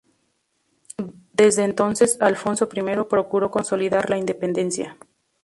Desde entonces, Alfonso I procuró consolidar la independencia.